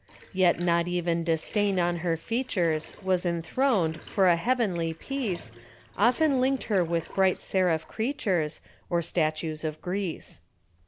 Yet not even disdain on her features Was enthroned, for a heavenly peace Often linked her with bright seraph creatures Or statues of Greece.